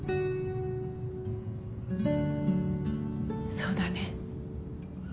そうだね。